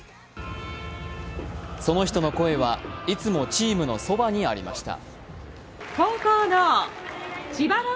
その人の声は、いつもチームのそばにありました。